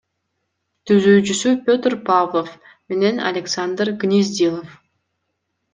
Түзүүчүсү — Петр Павлов менен Александр Гнездилов.